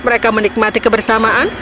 mereka menikmati kebersamaan